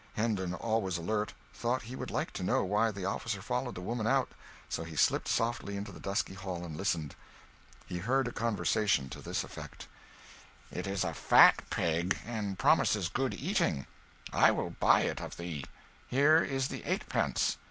Hendon, always alert, thought he would like to know why the officer followed the woman out; so he slipped softly into the dusky hall and listened. He heard a conversation to this effect "It is a fat pig, and promises good eating; I will buy it of thee; here is the eightpence."